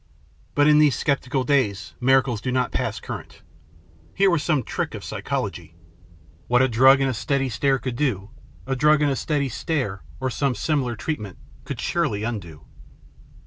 But in these sceptical days miracles do not pass current. Here was some trick of psychology. What a drug and a steady stare could do, a drug and a steady 66 THE PLATTNER STORY AND OTHERS stare, or some similar treatment, could surely undo.